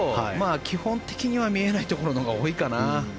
基本的には見えないところのほうが多いかな。